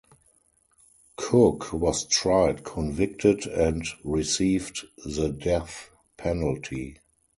Cook was tried, convicted, and received the death penalty.